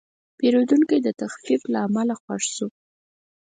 پیرودونکی د تخفیف له امله خوښ شو.